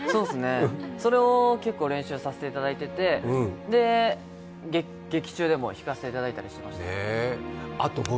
それを結構練習させていただいていて劇中でも弾かせていただいて。